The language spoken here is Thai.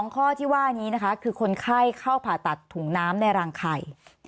ข้อที่ว่านี้นะคะคือคนไข้เข้าผ่าตัดถุงน้ำในรังไข่